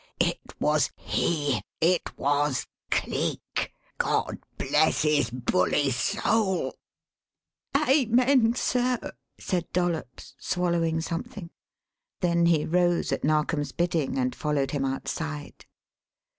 It was he it was Cleek! God bless his bully soul!" "Amen, sir," said Dollops, swallowing something; then he rose at Narkom's bidding and followed him outside.